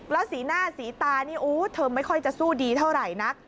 แล้วสีหน้าสีตานี่เธอไม่ค่อยจะสู้ดีเท่าไหร่นัก